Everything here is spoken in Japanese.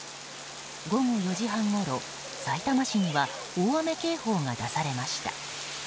午後４時半ごろ、さいたま市には大雨警報が出されました。